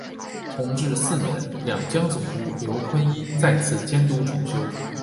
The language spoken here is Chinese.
同治四年两江总督刘坤一再次监督重修。